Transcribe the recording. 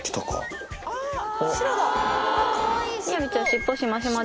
尻尾しましま。